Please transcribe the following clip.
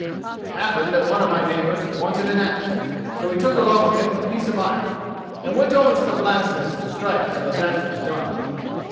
"It happened that one of my neighbors wanted an axe. So he took along with him a piece of iron, and went over to the blacksmith's to strike till his axe was done.